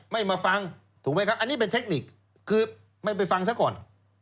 ไม่มาฟังถูกไหมครับอันนี้เป็นเทคนิคคือไม่ไปฟังซะก่อน